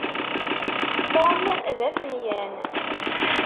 Tom d afenyan.